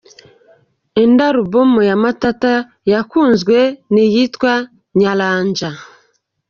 Indi album ya Matata yakunzwe ni iyitwa “Nyaranja ”.